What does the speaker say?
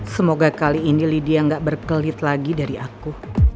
semoga kali ini lydia nggak berkelit lagi dari aku